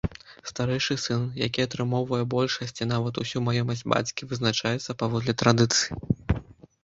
Старэйшы сын, які атрымоўвае большасць ці нават усю маёмасць бацькі, вызначаецца паводле традыцыі.